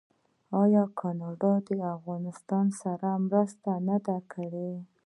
آیا کاناډا د افغانستان سره مرسته نه ده کړې؟